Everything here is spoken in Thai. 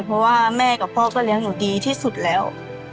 เพราะว่าแม่กับพ่อก็เลี้ยงหนูดีที่สุดแล้ว